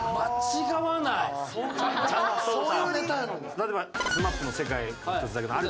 例えばＳＭＡＰの『世界に一つだけの花』。